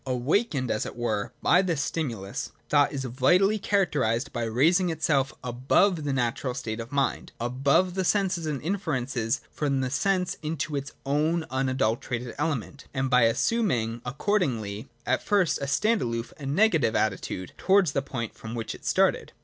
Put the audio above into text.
Awakened, as it were, by this stimulus, thought is vitally characterised by raising itself above the natural state of mind, above the senses and inferences from the senses into its own unadulterated element, and by assuming, accordingly, at first a stand aloof and negative attitude towards the point from which it started.